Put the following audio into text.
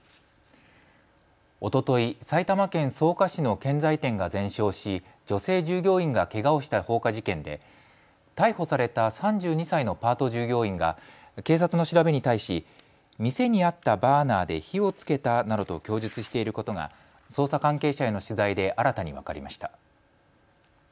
おととい、埼玉県草加市の建材店が全焼し女性従業員がけがをした放火事件で逮捕された３２歳のパート従業員が警察の調べに対し店にあったバーナーで火をつけたなどと供述していることが捜査関係者への取材で新たに分かりました。